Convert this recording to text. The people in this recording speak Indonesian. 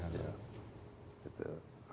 tujuh belas tahun saja